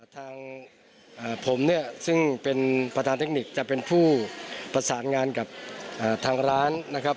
ทางผมเนี่ยซึ่งเป็นประธานเทคนิคจะเป็นผู้ประสานงานกับทางร้านนะครับ